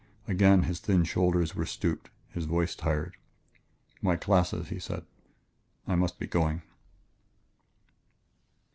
Again his thin shoulders were stooped, his voice tired. "My classes," he said. "I must be going...."